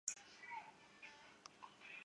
早年留学苏联莫斯科列宁学院。